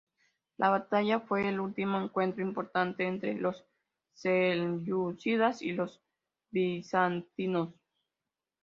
La batalla fue el último encuentro importante entre los selyúcidas y los bizantinos.